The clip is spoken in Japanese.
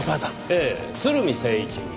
ええ鶴見征一に。